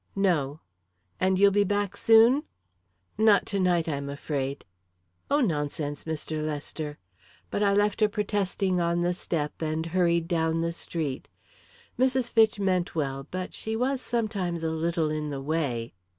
"No." "And you'll be back soon?" "Not to night, I'm afraid." "Oh, nonsense, Mr. Lester " But I left her protesting on the step, and hurried down the street. Mrs. Fitch meant well, but she was sometimes a little in the way.